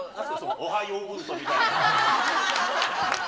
おはヨーグルトみたいな。